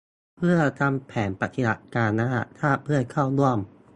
เพื่อทำแผนปฏิบัติการระดับชาติเพื่อเข้าร่วม